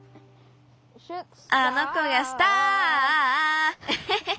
「あの子がスター」エヘヘ。